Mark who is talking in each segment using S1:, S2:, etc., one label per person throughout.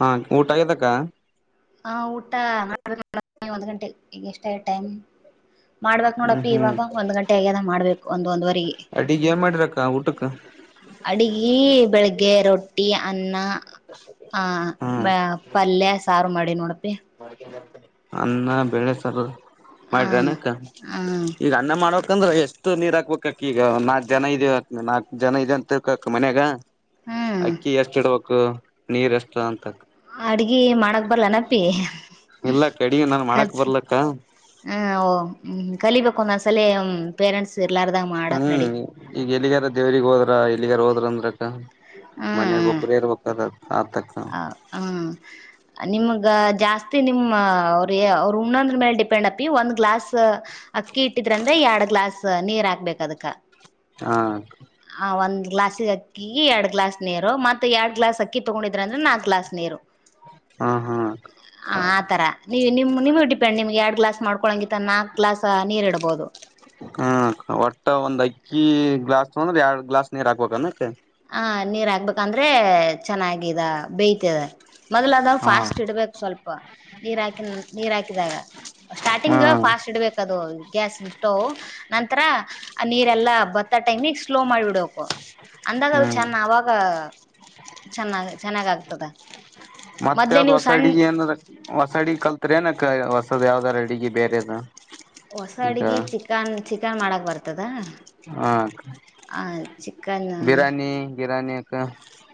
S1: ಹಾ ಊಟಗದಕ್ಕ
S2: ಹಾ ಊಟ ನಾ ಒಂದ್ ಗಂಟೆ ಈ ಎಷ್ಟ ಟೈಮ್ ಮಾಡ್ಬಕ್
S1: ಹ್ಮ್
S2: ನೋಡಪಿ
S1: ಹ್ಮ್
S2: ಇವಾಗ ಒಂದ್ ಗಂಟೆ ಆಗ್ಯದ ಮಾಡ್ಬೇಕು ಒಂದ್ ಒಂದ್ರೆಗೆ
S1: ಅಡಿಗೆ ಏನ್ ಮಾಡಿರಕ್ಕ ಊಟಕ್ಕ
S2: ಅಡಗಿ ಬೆಳಿಗ್ಗೆ ರೊಟ್ಟ [inaudible] ಅನ್ನ ಆ
S1: ಹಾ
S2: ಪಲ್ ಸಾರು ಮಾಡಿ ನೋಡ್ಪಿ
S1: ಅನ್ನ ಬೆೇಳೆ ಸರ್
S2: ಆ
S1: ಮಾಡ್ರಿ ಅನಕ್ಕ
S2: ಹ
S1: ಈಗ ಅನ್ನ ಮಾಡೋ ಯಾಕಂದ್ರ ಎಷ್ಟು ನೀರ್ ಹಾಕ್ಬೇಕಕ್ ಈಗ ನಾಕ್ ಜನ ಇದ ನಾಕಕ್ ಜನ ಇದದೆ ಅಂತಕ್ ಮನ್ಯಾಗ
S2: ಹ್ಮ್
S1: ಅಕ್ಕಿ ಎಷ್ಟ ಇಡ್ಬೇಕು ಕು ನೀರ್ ಎಷ್ಟ್ರ ಅಂತಕ್
S2: ಅಡ್ಗಿ ಮಾಡಕ್ ಬರ್ಲೇನಪ್ಪಿ ಹ್ ಹ್ಮ್
S1: ಇಲ್ಲಕ್ಕ ಅಡಿಗೆ ನಾನ್ ಮಾಡಕ್
S2: ಕಲ್ಸ
S1: ಬರ್ಲಕ್ಕ
S2: ಹ ಓ ಕಲಿಬೇಕ್ ಕೋನ್ನೊಂದ್ ಸಲಿ ಪೇರೆಂಟ್ಸ್ ಇರ್ಲಾರ್ದಾಗ ಮಾಡಕ್ ನಡಿ
S1: ಹ್ಮ್ ಈಗ ಎಲ್ಲಿಗಾರ ದೇವ್ರಿಗ್ ಹೋದ್ರ ಏಲ್ಲಿಗರ್ ಹೋದ್ರಂದ್ರೆ
S2: ಹ್ಮ್
S1: ಮನೆಯಾಗೊಬ್ಬರೇ ಇರ್ಬೇಕಾದ ಆತಕ್ಕ
S2: ಈಗ ಜಾಸ್ತಿ ನಿಮ್ಮ ಅವ್ರೆ ಅವ್ರ ಉಣ್ಣಂದ್ರ ಮೇಲೆ ಡಿಪೆಂಡ್ ಅಪಿ ಒಂದ್ ಗ್ಲಾಸ್ ಅಕ್ಕಿ ಇಟ್ಟಿದ್ರ ಅಂದ್ರೆ ಎರಡ್ ಗ್ಲಾಸ್ ನೀರ್ ಹಾಕ್ಬೇಕ್ ಅದಕ್ಕ.
S1: ಹಾ
S2: ಆ ಒಂದ್ ಗ್ಲಾಸ್ ಅಕ್ಕಿ ಎರಡ್ ಗ್ಲಾಸ್ ನೀರು ಮತ್ತ್ ಎರಡ್ ಗ್ಲಾಸ್ ಅಕ್ಕಿ ತೊಗೊಂಡಿದ್ರ ಅಂದ್ರೆ ನಾಕ್ ಗ್ಲಾಸ್ ನೀರು.
S1: ಹಾ ಹಾ
S2: ಹ ಆ ತರ ನೀವು ನಿಮ ನಿಮ ಡಿಪೆಂಡ್ ನಿಮ್ಗೆ ಯಾವ್ ಗ್ಲಾಸ್ ಮಾಡ್ಕೊಳಂಗಿತ ನಾಕ್ ಗ್ಲಾಸ್ ನೀರ್ ಇಡ್ಬೋದು.
S1: ಹ್ಮ ಒಟ್ಟ ಒಂದ್ ಅಕ್ಕಿ ಗ್ಲಾಸ್ ತಗೊಂದ್ರೆ ಎರಡ್ ಗ್ಲಾಸ್ ನೀರ್ ಹಾಕ್ಬೇಕನತ್ತೆ.
S2: ಹಾ ನೀರ್ ಆಗ್ಬೇಕ್ ಅಂದ್ರೆ ಚೆನ್ನಾಗ ಇದ ಬೇಯ್ತದ ಮೊದ್ಲು ಅದ
S1: ಹಾ
S2: ಫಾಸ್ಟ್ ಇಡ್ಬೇಕು ಸ್ವಲ್ಪ ನೀರ್ ಹಾಕ ನೀರ್ ಹಾಕಿದಾಗ ಸ್ಟಾರ್ಟಿಂಗ್
S1: ಹ್ಮ್
S2: ಫಾಸ್ಟ್ ಇಡ್ಬೇಕ ಅದು ಗ್ಯಾಸ್ ಸ್ಟೋವ್ ನಂತರ ಆ ನೀರೆಲ್ಲಾ ಬತ್ ತ ಟೈಮಿಗ್ ಸ್ಲೋ ಮಾಡ್ ಬಿಡ್ಬೇಕು. ಅಂದಾಗ ಅದ್ ಚೆನ್ನ ಅವಾಗ. ಚೆನ್ನಾಗ ಚೆನ್ನಾಗಾಗ್ತದ.
S1: ಮತ್ತೆ ಅದ್ ಹೊಸ ಅಡಿಗೆ ಏನದ? ಹೊಸ ಅಡಿಗೆ ಕಲ್ತ್ರಿ ಏನಕ್ಕ ಹೊಸದ್ ಯಾವ್ದಾರ ಅಡಿಗೆ ಬೇರೆದ.
S2: ಹೊಸ
S1: ಈಗ
S2: ಅಡ್ಗಿ ಚಿಕನ್ ಚಿಕನ್ ಮಾಡಕ ಬರ್ತದ.
S1: ಹಾ ಅಕ
S2: ಆ ಚಿಕನ್
S1: ಬಿರಾನಿ ಬಿರಾನಿ ಅಕ್ಕ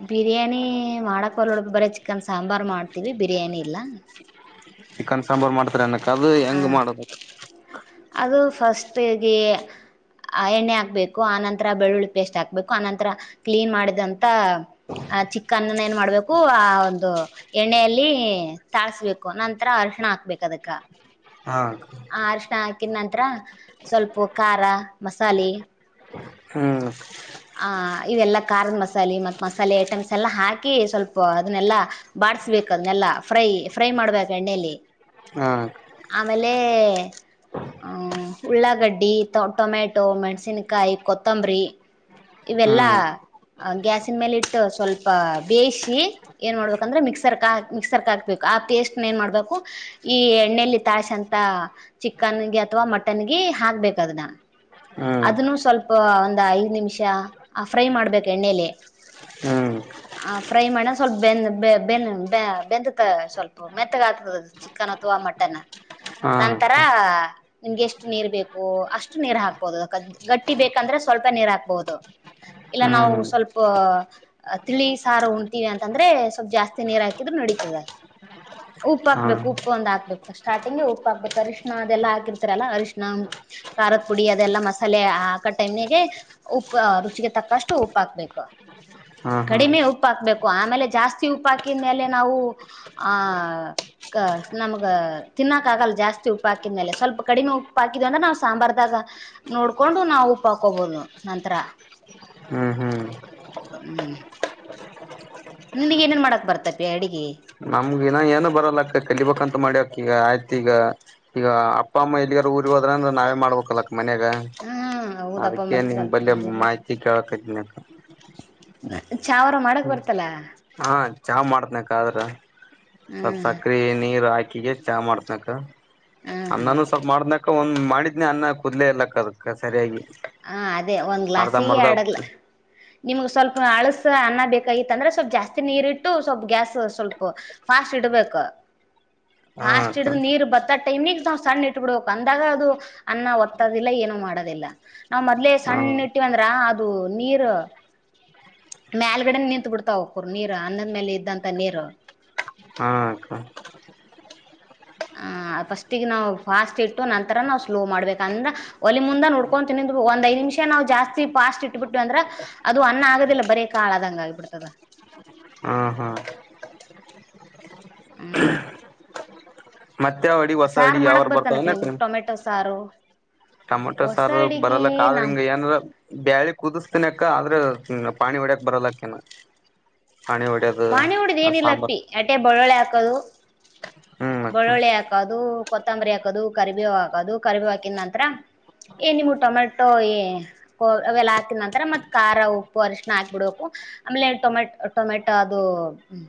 S2: ಬಿರಿಯಾನಿ ಮಾಡಕ್ ಬರೋಲ್ದು ಬರ ಚಿಕನ್ ಸಾಂಬಾರ್ ಮಾಡ್ತೀವಿ, ಬಿರಿಯಾನಿ ಇಲ್ಲ.
S1: ಚಿಕನ್ ಸಾಂಬಾರ್ ಮಾಡ್ತೀರ ಅನ್ನುಕ್? ಅದು ಹೆಂಗ್
S2: ಆ
S1: ಮಾಡದದು?
S2: ಅದು ಫಸ್ಟ್ ಗೆ ಅ ಎಣ್ಣೆ ಹಾಕ್ಬೇಕು, ಆನಂತರ ಬೆಳ್ಳುಳ್ಳಿ ಪೇಸ್ಟ್ ಹಾಕ್ಬೇಕು, ಆನಂತರ ಕ್ಲೀನ್ ಮಾಡಿದಂತ ಆ ಚಿಕ್ಕನ್ನುನ ಏನ್ ಮಾಡ್ಬೇಕು ಆ ಒಂದು ಎಣ್ಣೆಯಲ್ಲಿ ತಾಳ್ಸ್ಬೇಕು ನಂತರ ಅರ್ಶಣ ಹಾಕ್ಬೇಕು ಅದಕ್ಕ
S1: ಆ
S2: ಆ ಅರಶಣ ಹಾಕಿದ ನಂತ್ರ ಸ್ವಲ್ಪು ಖಾರ ಮಸಾಲೆ
S1: ಹ್ಮ್
S2: ಆ ಇವೆಲ್ಲ ಖಾರದ ಮಸಾಲಿ ಮತ್ ಮಸಾಲೆ ಐಟಮ್ಸ್ ಎಲ್ಲ ಹಾಕಿ ಸ್ವಲ್ಪ ಅದನ್ನೆಲ್ಲ ಬಾಡಿಸಬೇಕು ಅದನ್ನೆಲ್ಲ ಫ್ರೈ ಫ್ರೈ ಮಾಡ್ಬೇಕ್ ಎಣ್ಣೆಲ್ಲಿ.
S1: ಹಾ
S2: ಆಮೇಲೆ ಉಳ್ಳಾಗಡ್ಡಿ ಟೊಮೆಟೊ ಮೆಣ್ಸಿನ್ಕಾಯಿ ಕೊತ್ತಂಬರಿ ಇವೆಲ್ಲ
S1: ಹ್ಮ್
S2: ಗ್ಯಾಸಿನ್ ಮೇಲಿಟ್ಟು ಸ್ವಲ್ಪ ಬೇಯಿಸಿ ಏನ್ ಮಾಡ್ಬೇಕಂದ್ರೆ ಮಿಕ್ಸರ್ ಕಾ ಮಿಕ್ಸರ್ಕಾಕ್ಬೇಕು ಆ ಪೇಸ್ಟ್ನೇನ್ ಮಾಡ್ಬೇಕು ಈ ಎಣ್ಣೆಲ್ಲಿ ತಾಳ್ಸಂತ ಚಿಕನ್ಗೆ ಅಥವಾ ಮಟನ್ಗೆ ಹಾಕ್ಬೇಕ್ ಅದುನ್ನ
S1: ಹ್ಮ್
S2: ಅದುನ್ನು ಸ್ವಲ್ಪ ಒಂದ ಐ ನಿಮಿಷ ಆ ಫ್ರೈ ಮಾಡ್ಬೇಕು ಎಣ್ಣೇಲಿ
S1: ಹ್ಮ್
S2: ಆ ಫ್ರೈ ಮಾಡ ಸ್ವಲ್ಪ ಬೆಂದ್ ಬೆ ಬೆ ಬೆನ್ ಬ್ಯಾ ಬೆಂದತ್ ಸ್ವಲ್ಪು, ಮೆತ್ತಗಾತದದು ಚಿಕನ್ ಅಥವಾ ಮಟನ್.
S1: ಹಾ
S2: ನಂತರ ನಿಮ್ಗೆಷ್ಟು ನೀರ್ ಬೇಕು ಅಷ್ಟು ನೀರು ಹಾಕ್ಬೋದು ಗಟ್ಟಿ ಬೇಕಂದ್ರೆ ಸ್ವಲ್ಪ ನೀರು ಹಾಕ್ ಬೋದು ಇಲ್ಲ ನಾವು
S1: ಹ್ಮ್
S2: ಸ್ವಲ್ಪ ತಿಳಿ ಸಾರು ಉಣ್ತೀವಿ ಅಂತಂದ್ರೆ ಸ್ವಲ್ಪ್ ಜಾಸ್ತಿ ನೀರ್ ಹಾಕಿದ್ರು ನಡೀತದ. ಉಪ್
S1: ಹಾ
S2: ಹಾಕ್ಬೇಕು ಉಪ್ಪೊಂದ್ ಹಾಕ್ಬೇಕು ಫರ್ಸ್ಟ್ ಸ್ಟಾರ್ಟಿಂಗ್ಗೆ ಉಪ್ ಹಾಕ್ಬೇಕು ಅರಿಶ್ಣ ಅದೆಲ್ಲಾ ಹಾಕಿರ್ತಾರಲ್ಲ ಅರಿಶ್ಣ, ಖಾರದ ಪುಡಿ ಅದೆಲ್ಲಾ ಮಸಾಲೆ ಹಾಕ ಟೈಮ್ನಾಗೆ ಉಪ್ಪ ರುಚಿಗೆ ತಕ್ಕಷ್ಟು ಉಪ್ ಹಾಕ್ಬೇಕು,
S1: ಹಾ ಹಾ
S2: ಕಡಿಮೆ ಉಪ್ಪಾಕ್ಬೇಕು ಆಮೇಲೆ ಜಾಸ್ತಿ ಉಪ್ ಹಾಕಿದ್ ಮೇಲೆ ನಾವು ಆ ಕ ನಮಗ ತಿನ್ನಕ್ ಆಗಲ್ ಜಾಸ್ತಿ ಉಪ್ಪಾಕಿದ್ಮೇಲೆ ಸ್ವಲ್ಪ ಕಡಿಮೆ ಉಪ್ ಹಾಕಿದೋ ಅಂದ್ರೆ ನಾವು ಸಾಂಬಾರದಾಗ ನೋಡ್ಕೊಂಡು ನಾವು ಉಪ್ಪಾಕೋಬೋದು. ನಂತರ
S1: ಹ್ಮ್ ಹ್ಮ್
S2: ಹ್ಮ್ ನಿನಿಗೇನೇನ್ ಮಾಡಕ್ ಬರ್ತತಿ ಅಡಿಗಿ?
S1: ನಮ್ಗ ಇನ್ನ ಏನು ಬರಲ್ಲಕ್ಕ ಕಲಿಬೇಕಂತ ಮಾಡ್ಯಕ್ ಈಗ ಆಯ್ತ್ ಈಗ, ಈಗ ಅಪ್ಪ ಅಮ್ಮ ಎಲ್ಲಿಗಾರ ಊರಿಗೆ ಹೋದ್ರಂದ್ರೆ ನಾವೇ ಮಾಡ್ಬೇಕಲ ಮನೆಗ
S2: ಹ್ಮ್ ಹೌದಪ್ಪ
S1: ಅದುಕ್ಕೆ
S2: ಮತ್
S1: ನಿಮ್
S2: ಸ್ವಲ್ಪ
S1: ಬಳ್ಳೆ
S2: ಕಲಿಬೇಕು
S1: ಮಾಹಿತಿ ಕೇಳಕತ್ತೀನಿ ಅಕ್ಕ.
S2: [unintelligible] ಮಾಡಕ್
S1: ಹ್ಮ್
S2: ಬರ್ತಲ್ಲ
S1: ಹಾಂ ಚಾ ಮಾಡ್ತಿನಕ್ಕ ಆದ್ರ ಸ್ವಲ್ಪ್
S2: ಹ್ಮ್
S1: ಸಕ್ರಿ ನೀರು ಹಾಕ್ ಕಿನೇ ಚಾ ಮಾಡ್ತನಕ್ಕ.
S2: ಹ್ಮ್ ಹ್ಮ್
S1: ಅನ್ನಾನು ಸ್ವಲ್ಪ್ ಮಾಡ್ತಿನಕ್ ಅಕ್ಕ ಒಂದ್ ಮಾಡಿದನೆ ಅನ್ನ ಕೂಗ್ಲೆ ಇಲ್ಲಕ್ಕ ಅದಕ್ಕ ಸರಿಯಾಗಿ.
S2: ಹಾಂ ಅದೇ ಒಂದ್
S1: ಅರ್ಧ
S2: ಗ್ಲಾಸೀ
S1: ಮರ್ಧ
S2: ಅಡಗ್ಲ ನಿಮ್ಗ್ ಸ್ವಲ್ಪ ಅಳಸ ಅನ್ನ ಬೇಕಾಗಿತ್ತಂದ್ರೆ ಸ್ವಲ್ಪ್ ಜಾಸ್ತಿ ನೀರ್ ಇಟ್ಟು ಸ್ವಲ್ಪ್ ಗ್ಯಾಸ್ ಸ್ವಲ್ಪ ಫಾಸ್ಟ್ ಇಡ್ಬೇಕು.
S1: ಹಾ
S2: ಫಾಸ್ಟ್
S1: ಅಕ್ಕ
S2: ಇಡ್ದ ನೀರ್ ಬತ್ತ ಟೈಮ್ಗೆ ನಾವ್ ಸಣ್ ಇಟ್ಬಿಡ್ಬೇಕು ಅಂದಾಗ ಅದು ಅನ್ನ ಒತ್ತದಿಲ್ಲ ಏನು ಮಾಡೋದಿಲ್ಲ. ನಾವ್ ಮೊದ್ಲೆೇ
S1: ಹಾ
S2: ಸಣ್ ಇಟ್ಟಿವಂದ್ರ ಅದು ನೀರು ಮೇಲ್ಗಡೆ ನಿಂತ ಬಿಡ್ತಾವ ಹುಕ್ಕುರ್ ನೀರ ಅನ್ನದ್ ಮೇಲ್ ಇದ್ದಂತ ನೀರು.
S1: ಹಾ ಅಕ್ಕ
S2: ಆ ಫಸ್ಟಿಗ್ ನಾವು ಫಾಸ್ಟ್ ಇಟ್ಟು ನಂತರ ನಾವ್ ಸ್ಲೋ ಮಾಡ್ಬೇಕ್ ಅಂದ್ರ ಒಲಿ ಮುಂದ ನೋಡ್ಕೊಂತ ನಿಂದ್ಬೆಕ್ ಒಂದ್ ಐದ್ ನಿಮಿಷ ನಾವ್ ಜಾಸ್ತಿ ಫಾಸ್ಟ್ ಇಟ್ಬಿಟ್ವಿ ಅಂದ್ರ ಅದು ಅನ್ನ ಆಗದಿಲ್ಲ ಬರೇ ಕಾಳದಂಗ ಆಗ್ಬಿಡ್ತದ.
S1: ಹಾ ಹಾ
S2: ಹ್ಮ್
S1: ಮತ್ತಾವಡಿಗ್ ಹೊಸ
S2: ಸಾರ್
S1: ಅಡಿಗಿ ಯಾವಾರ
S2: ಮಾಡಕ್ ಬರ್ತಾನಪ್ಪಿ
S1: ಬರ್ತಾವೇನ್
S2: ನಿಂಗ್
S1: ಅಕ್ಕಾರೆ
S2: ಟೊಮೆಟೊ ಸಾರು
S1: ಟಮಟೊ
S2: ಹೊಸ
S1: ಸಾರು
S2: ಅಡಿಗಿ
S1: ಬರಲಕ್ಕ, ಆದ್ರ
S2: ನಾ
S1: ಹಿಂಗ್ ಏನಾರ ಬ್ಯಾಳಿ ಕುದುಸ್ತೀನಕ್ಕ ಆದ್ರೆ ಇನ್ನ ಪಾಣಿ ಒಡ್ಯಕ್ ಬರಲಕಿನ್ನ.
S2: ಪಾಣಿ ಹೊಡಿದ್ ಏನಿಲ್ಲಪ್ಪಿ ಅಟೆ ಬಳ್ಳೊಳ್ಳೆ ಹಾಕ್ ಕದು
S1: ಹ್ಮ್ ಅಕ್ಕ
S2: ಬಳ್ಳುಳ್ಳಿ ಹಾಕದು, ಕೊತ್ತಂಬರಿ ಹಾಕದು, ಕರಿಬೇವ್ ಹಾಕದು, ಕರಿಬೇವ್ ಹಾಕಿದ್ ನಂತರ ಎಣ್ಣಿಮು ಟೊಮೆಟೊ ಏ ಕೊ ಅವೆಲ್ಲ ಹಾಕಿದ್ ನಂತರ ಮತ್ ಖಾರ ಉಪ್ಪು ಅರಶಣ ಹಾಕ್ಬಿಡ್ಬೇಕು. ಆಮೇಲೆ ಟೊಮೆ ಟೊಮೆಟೊ ಅದು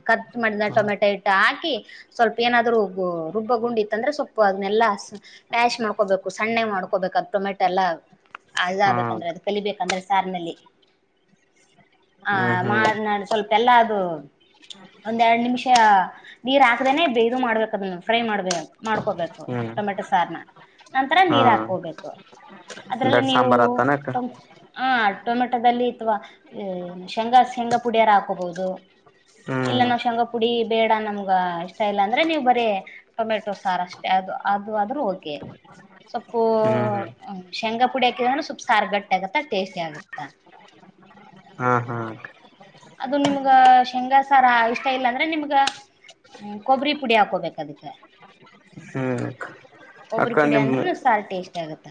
S2: ಕಟ್ ಮಾಡಿದ ಟೊಮೆಟೊ ಇಟ್ಟ ಹಾಕಿ ಸ್ವಲ್ಪ್ ಏನಾದ್ರು ಬೂ ರುಬ್ಬ ಗುಂಡಿತ್ತಂದ್ರೆ ಸಲ್ಪ್ ಅದನ್ನೆಲ್ಲಾ ಮ್ಯಾಶ್ ಮಾಡ್ಕೋಬೇಕು, ಸಣ್ಣಗ್ ಮಾಡ್ಕೋಬೇಕು ಅದು ಟೊಮೆಟೊ ಎಲ್ಲ ಅದು
S1: ಹ್ಮ
S2: ಇದಾಗಬೇಕಂದ್ರೆ ಅದು ಕಲಿಬೇಕಂದ್ರೆ ಸಾರಿನಲ್ಲಿ ಆ
S1: ಹ್ಮ್ ಹ್ಮ್
S2: ಮಾಡ್ ನಾಡ್ ಸ್ವಲ್ಪ ಎಲ್ಲಾ ಅದು ಒಂದೆರ್ಡ್ ನಿಮಿಷ ನೀರ್ ಹಾಕದೇನೆ ಇದು ಮಾಡ್ಬೇಕ್ ಫ್ರೈ ಮಾಡ್ಬೇ ಮಾಡ್ಕೋಬೇಕು
S1: ಹ್ಮ್
S2: ಟೊಮೆಟೊ ಸಾರ್ನ ನಂತರ
S1: ಹಾ
S2: ನೀರ್ ಹಾಕೋಬೇಕು. ಅದ್ರಲ್ಲಿ
S1: ದಡ್
S2: ನೀವು
S1: ಸಾಂಬಾರ್ ಆತಾನಕ್ಕ
S2: ಟಂ ಆ ಟೊಮೆಟೋದಲ್ಲಿ ಅಥವಾ ಈ ಶೇಂಗಾ ಶೇಂಗಾ ಪುಡಿಯಾರ ಹಾಕೋಬೋದು, ಇಲ್ಲ
S1: ಹ್ಮ್
S2: ನಾವ್ ಶೇಂಗಾ ಪುಡಿ ಬೇಡ ನಮ್ಗ ಇಷ್ಟ ಇಲ್ಲ ಅಂದ್ರೆ ನೀವು ಬ ರೆ ಟೊಮೆಟೊ ಸಾರಷ್ಟೆ ಅದು, ಅದು ಆದ್ರೂ ಓಕೆ ಸಪ್ಪು ಹ್ಮ್ ಶೇಂಗಾ ಪುಡಿ ಹಾಕಿದ್ರೇನು ಸಲ್ಪ್ ಸಾರು ಗಟ್ಟಿ ಆಗತ್ತ ಟೇಸ್ಟಿ ಆಗುತ್ತ.
S1: ಹಾ ಹಾ
S2: ಅದು ನಿಮ್ಗ ಶೇಂಗಾಸಾರ ಇಷ್ಟ ಇಲ್ಲ ಅಂದ್ರೆ ನಿಮ್ಗ ಕೊಬ್ಬರಿ ಪುಡಿ ಹಾಕೋಬೇಕದಕ್ಕೆ.
S1: ಹ್ಮ್
S2: ಒಬ್ರು
S1: ಅಕ್ಕ
S2: ಪುಡಿ
S1: ನಿಮ್
S2: ಅಂದ್ರುನು ಸಾರ್ ಟೇಸ್ಟಿ ಆಗುತ್ತ.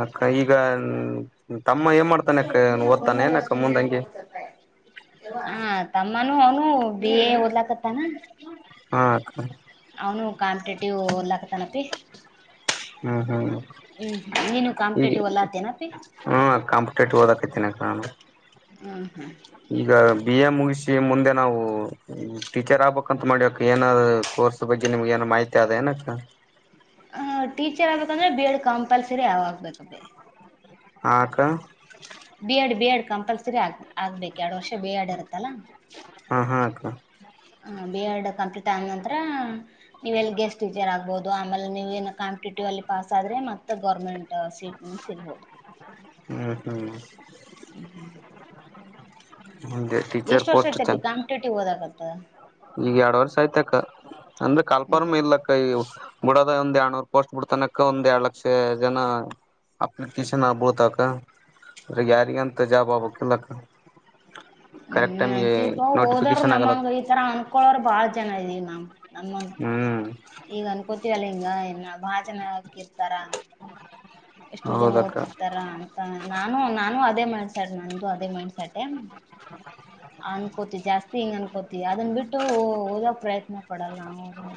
S1: ಅಕ್ಕ ಈಗ ನ್ ಟಪ್ ಅಮ್ಮ ಏನ್ ಮಾಡ್ತಾನೆ ಅಕ್ಕ ಓದ್ತಾನೆ ಏನಕ್ಕ ಮುಂದಂಗೆ.
S2: ಹ ತಮ್ಮನೂ ಅವ್ನು ಬಿ ಎ ಓದ್ಲಕತ್ತಾನ.
S1: ಹಾಂ ಅಕ್ಕ.
S2: ಅವ್ನು ಕಾಂಪಿಟೇಟಿವ್ ಓದ್ಲಾ ಕತಾನ್ ಅಪ್ಪಿ ಹ್ಮ್. ನೀನು
S1: ಹಿಗೆ
S2: ಕಾಂಪಿಟೇಟಿವ್ ಓದ್ಲಾತೇನಪ್ಪಿ
S1: ಹ್ಮ ಕಾಂಪಿಟೇಟಿವ್ ಓದಕ್ ಕತಿನ್ ಅಕ್ಕ ನಾನು.
S2: ಹಾ ಹ.
S1: ಈಗ ಬಿ ಎ ಮುಗಿಸಿ ಮುಂದೆ ನಾವು ಟೀಚರ್ ಆಗ್ಬೇಕಂತ ಮಾಡ್ಯಕ್ ಏನ ಕೋರ್ಸ್ ಬಗ್ಗೆ ನಿಮ್ಗೆ ಏನ ಮಾಹಿತಿ ಅದ ಏನಕ್ಕ.
S2: ಹ ಟೀಚರ್ ಆಗ್ಬೇಕಂದ್ರೆ ಬಿ ಎಡ್ ಕಂಪಲ್ಸರಿ ಯಾವಾಗ್ಬೇಕ್ ಅಬಿ.
S1: ಹ ಅಕ್ಕ.
S2: B Ed B Ed compulsory ಆಗ್ ಆಗ್ಬೇಕು ಎರಡ್ ವರ್ಷ ಬಿ ಎಡ್ ಇರುತ್ತಲ್ಲಾ.
S1: ಅ ಹ ಅಕ್ಕ.
S2: ಬಿ ಎಡ್ ಕಂಪ್ಲೀಟ್ ಆದಂದ ನಂತರ ನೀವುಲ್ಲಿ ಗೆಸ್ಟ್ ಟೀಚರ್ ಆಗ್ಬಹುದು ಆಮೇಲೆ ನೀವು ನ ಕಾಂಪಿಟೇಟಿವ್ ಅಲ್ಲಿ ಪಾಸ್ ಆದ್ರೆ ಮತ್ತೆ ಗೌರ್ಮೆಂಟ್ ಸೀಟ್ ಸಿಗ್ಬಹುದು
S1: ಹ್ಮ್
S2: ಇ [inaudible]
S1: ಹ್ಮ್ ಟೀಚರ್
S2: ಎಷ್ಟು ವರ್ಷ
S1: ಪೋಸ್ಟ್
S2: ಇಟತಿ
S1: ಚ
S2: ಕಾಪಿಟೇಟಿವ ಹೋದಾಗಂತ ದ [inaudible]
S1: ಈಗ ಎರಡ್ ವರ್ಷ ಆಯ್ತ ಅಕ್ಕ ಅಂದ್ರೆ ಕಾಲ್ಪಾರಮ ಇಲಕ್ಕ ಈ ಬಿಡದ ಒಂದ್ ಎರಡ್ನೂರ್ ಪೋಸ್ಟ್ ಬಿಡ್ತನಕ್ಕ ಒಂದ್ ಎರಡ್ ಲಕ್ಷ ಜನ ಅಪ್ಲಿಕೇಶನ್ ಆಗ್ಬಿಡ್ತಕ್ಕ ಅ್ರ ಯಾರಿಗ ಅಂತ ಜಾಬ್ ಆಬಕ್ಿಲ್ಲಕ್ಕ
S2: ಹ್ಮ್ ಅಂತ ಹೋದಾರ
S1: ನೋಟಿಫಿಕೇಶನ್ ಆಗಲ್ಲ
S2: ನಮ್ಮಂಗ ಈತರ ಅ ಅವರು ಬಾಳ ಜನ ಇದೀವಿ ನಾ್
S1: ಹ್ಮ್
S2: ಇವಲ್ಲ ಹಿಂಗ ಇನ್ನ ಭಾಜನೆ ಹಾಕಿರ್ತಾರ ಎಷ್ಟೋ ಜನ
S1: ಹೌದಕ್ಕ
S2: ಓದತಿರ್ತಾರ ಅಂತ ನಾನು ನಾನು ಅದೇ ಮಾಡಸಾಟೆ ನ್ದ ಅದೇ ಮಾಡಸಾಟೆ ಅನ್ಕೋತಿ ಜಾಸ್ತಿ ಹಿಂಗ ಅನ್ಕೋತಿವಿ ಅದನ್ ಬಿಟ್ಟು ಓದಕ ಪ್ರಯತ್ನ ಪಡಲ್ಲ ಹದತಿ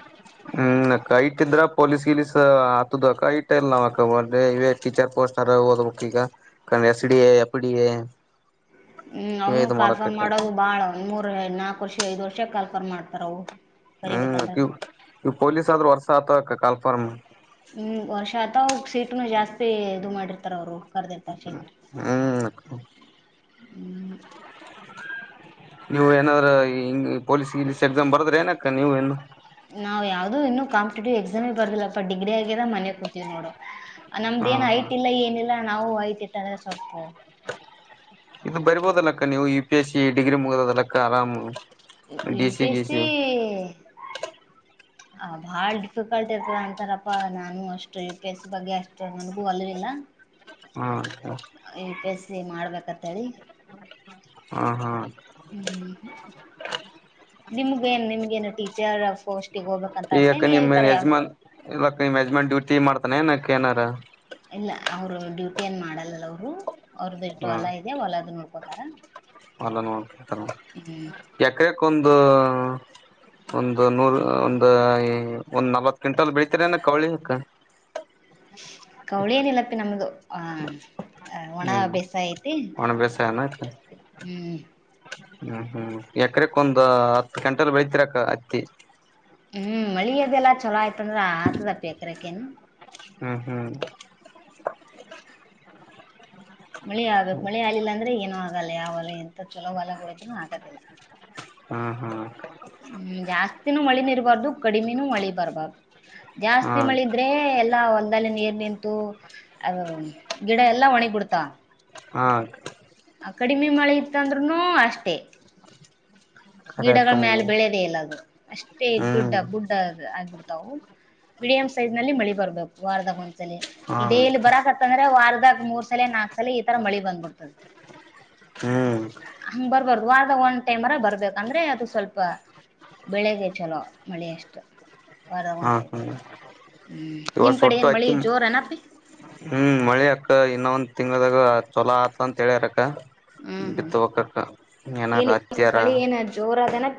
S1: ಇ ಕ ಇಟ್ದ್ರ ಪೊಲೀಸ್ ಗಿಲೀಸ್ ಹತದಕ ಇಟ್ ಇಲ್ಲ ನ ಇ ಟೀಚರ್ ಪೋಸ್ಟ್ ಓದ್ಬೇಕಕ್ ಈಗ S D A F D A
S2: ಹ್ಮ್
S1: ಇವೇ
S2: ಅವ್ನು
S1: ಇದು
S2: ಕಲ್ಫಾರನ್
S1: ಮಾಡಕಕ್ಕ
S2: ಮಾಡೋದು ಬಾಳ ಮೂರ್ ನಾಲ್ಕು ವರ್ಷ ಐದು ವರ್ಷ ಕಾಲ್ಕರ್ ಮಾಡ್ತಾರವು
S1: ಪೊಲೀಸ್ ಆದ್ರರು ವರ್ಷತ ಕ ಪರ್ಮು
S2: ಹ್ಮ್ ವರ್ಷ ಆತ ಸೀಟ್ನು ಜಾಸ್ತಿ ಇದು ಮಾಡಿರ್ತಾರ ಅವರು ಕರ್ದಿರ್ತ ಸೀಟ್
S1: ಹ್ಮ್
S2: ಹ್ಮ್
S1: ನೀವು ಏನಾದ್ರ ಹಂಗ ಪೊಲೀಸ್ ಇಲೀಸ್ ಎಕ್ಸಾಮ್ ಬರದ್ರೆ ಏನಕ್ಕ ನೀವು ಏನು
S2: ನಾವ್ ಯಾವ್ದು ಇನ್ನುೂ ಕಾಂಪಿಟೇಟಿವ್ ಎಕ್ಸಾಮಿ ಬರ್ದಿಲ್ಲಪ್ಪ ಡಿಗ್ರಿ ಆಗ್ಯಿದ ಮನ್ಯ ಕುೂತೀವಿ ನೋಡು
S1: ಹಾ
S2: ನಮ್ದ ಏನ್
S1: ಹಾ
S2: ಐಟ್ ಇಲ್ಲ ಏನಿಲ್ಲ ನಾವು ಐಟ್ ಇತ್ತ್ರೆ ಸ್ವಲ್ಪು
S1: ಇದು ಬರಿಬೋದ ಅಲ್ಲಕ್ಕ ನೀವು U P S C degree D C
S2: UPSC
S1: ಗೀಸಿ
S2: ಆ ಬಾಳ ಡಿಫಿಕಲ್ಟ್ ಇರ್ತರ ಅಂತಾರಪ್ಪಾ ನಾನು ಅಷ್ಟು ವಿ ಪಸ್ ಬಗ್ಗೆ ಅಷ್ಟು ನನಗೂ ಹೊಲವಿಲ್ಲ
S1: ಹ್ಮ್
S2: ಸೇ ಮಾಡ್ಬೇಕತ್ತಳಿ
S1: ಹ ಹಾ
S2: ಹ್ಮ್ ನಿಮ್ಗ ನ್ ನಿಮ್ಗ ನು ಟೀಚರ್ ಫೋಸ್
S1: ಈ ಯಾಕ ನಿಮ್ಮ ಯಜಮಾನ್ ಇಲ್ಲಾ ಯಜಮಾನ್ ಡ್ಯೂಟಿ ಮಾಡ್ತ ನೇನಕ್ಕ ಏನಾರ
S2: ಇಲ್ಲ ಅವರು ಡ್ಯೂಟಿಯ ಏನು ಮಾಡಲ್ಲಲ್ಲ ಅವರು ಅವ್ರದ್ದ ಇಟ್ಟು ಅಲ್ಲ ಇದೆಯ ಹೊಲದ್ ನೋಡ್ ನೋಡ್ಕೋತರ
S1: ಓಲಾ ನೋಡ್ಕೋತರ ಒಂದು ಒಂದು ನೂರ ಒಂದು ಒಂದ್ ನಲವತ್ ಕ್ವಿಂಟಲ್ ಬೆಳತರಿ ಏನ ಕವಳಿಕ
S2: ಕೌಳಿ ಏನಲಪ್ಪಿ ನಮ್ದು ಆಹ ಒಣ
S1: ಹ್ಮ್
S2: ಬೇಸಾಯ ಐತ
S1: ಒಣ ಬೇಸಾಯ
S2: ಹ್ಮ್
S1: ಹ್ಮ್ ಹ್ಮ್ ಎಕ್ರಕ ಒಂದ್ ಹತ್ತು ಕ್ವಿಂಟಲ್ ಬೆಳತಿರಕ್ಕ ಹತ್ತಿ
S2: ಹ್ಮ್ ಮಳಿ ಅದೆಲ್ಲ ಛಲೋ ಆಯ ತಂದ್ರ ಆತದಪ್ಪಿ ಎಕ್ರಕ್ಕ ನು
S1: ಹ್ಮ್ ಹ್ಮ್
S2: ಮಳೆ ಆಗ್ಬೇಕು ಮಳೆ ಆಲಿಲಾ ಅಂದ್ರೆ ಏನ ಆಗಲ್ಲ ಯಾವಲ್ಲ ಎಂತ ಚೊಲೋ ಹೊಲಗಳಿದ್ರು ಆಗದಿಲ್ಲ
S1: ಹ್ಮ್ ಹ್ಮ್
S2: ಹ್ಮ್ ಜಾಸ್ತಿನೂ ಮಳಿನ ಇರ್ಬಾರ್ದು ಕಡಿಮಿನೂ ಮಳಿ ಬರ್ಬ
S1: ಹಾ
S2: ಜಾಸ್ತಿ ಮಳಿದ್ರೆ ಎಲ್ಲಾ ಹೊಲ್ದಲ್ಲಿ ನೀರ್ ನಿಂತು ಅ ಗಿಡ ಎಲ್ಲಾ ಒಣಗ ಬಿಡ್ತ
S1: ಹಾ
S2: ಆ ಕಡಿಮೆ ಮಳೆ ಇತ್ತಂದ್ರುನು ಅಷ್ಟೇ ಗಿಡಗಳ
S1: ಕರಕಮ್ಮ
S2: ಮ್ಯಾಲ ಬೆಳೆಯದೇ ಇಲ್ಲ ಅದು ಅಷ್ಟೇ ಬುಡ್ಡ
S1: ಹ್ಮ್
S2: ಬುಡ್ಡ ಆಗ್ಬಿಡ್ತವು ಮೀಡಿಯಂ ಸೈಜ್ ನಲ್ಲಿ ಮಳಿ ಬರ್ಬೇಕು ವಾರದಾಗ ಒಂದ್ಸಲ
S1: ಹಾ
S2: ಡೇಲಿ ಬರಕತ ವಾರದಾಗ ಮೂರ್ ಸಲ ನಾಕ ಸಲ ಈ ತರ ಮಳಿ ಬಂದ್ಬಿಡ್ತದೆ
S1: ಹ್ಮ್
S2: ಹಂಗ ಬರ್ಬಾರ್ದ ವಾರದ ಒಂದ್ ಟೈಮ್ರ ಬರ್ಬೇಕು ಅಂದ್ರೆ ಅದು ಸ್ವಲ್ಪ ಬೆಳೆಗೆ ಚಲೋ ಮಳೆಯಷ್ಟು ವಾರದಗಂಟೈ
S1: ಇವಾಗ ಒಟ್ಟು ಅತಿ
S2: ಜೋರನಪಿ
S1: ಹ್ಮ್ ಮಳೆ ಅಕ್ಕ ಇನ್ನ ಒಂದು ತಿಂಗಳದಾಗ ಚೊಲೋ ಆತ ಅಂತ ಹೇಳ್ಯಾರಕ್ಕ
S2: ಹ್ಮ್ ಹ್ಮ್
S1: ಬಿತ್ತುವಕ್ಕಕ್ಕ ಏನಾರ ಹತ್ಯಾರ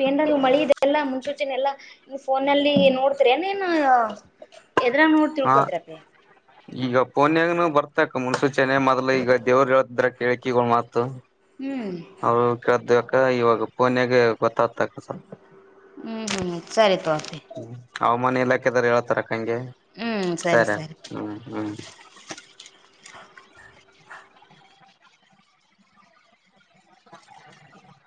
S2: ಏನಾದ್ರೂ ಮಳಿ ಎಲ್ಲ ಮುಂಚೂಚಿನ ಎಲ್ಲಾ ಇ ಫೋನಲ್ಲಿ ನೋಡ್ತರಿ ಏನೇನ್ ಎದ್ರಾಗ ನೋಡಿ
S1: ಹಾ
S2: ತಿಳಕೋತಿರಪ್ಪಿ
S1: ಈಗ ಪೋನಾಗ ಬರ್ತಕ್ ಮುನ್ಸೂಚನೆ ಮೊದಲು ಈಗ ದೇವರು ಹೇಳತಿದ್ರ ಹೇಳಿಕಿಗಳು ಮಾತು
S2: ಹ್ಮ್
S1: ಅವರು ಕೇಳತ ಹ ಇವಾಗ ಫೋನ್ನ್ಯಾಗ ಗೊತ್ತತ್ ಎಕ್ಕ
S2: ಹ್ಮ್ ಹ್ಮ್ ಸರಿ ತತ
S1: ಹವಾಮಾನ ಇಲಾಖೆರು ಹ ಹೇಳಳ್ತಾರ ಗೆ
S2: ಹ್ಮ್
S1: [unintelligible]
S2: ಸರಿ
S1: ಸರ ಹ್ಮ್ ಹ್ಮ್
S2: ಹ [unintelligible]